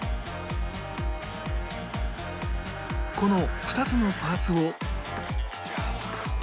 この２つのパーツを